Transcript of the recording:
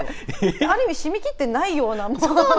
ある意味締め切ってないような。